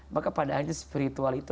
maka pada akhirnya spiritual itu